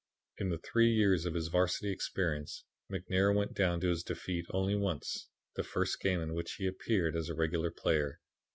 In the three years of his varsity experience McNair went down to defeat only once, the first game in which he appeared as a regular player.